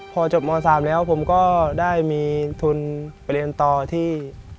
พอจบม๓แล้วผมก็ได้มีทุนไปเรียนต่อที่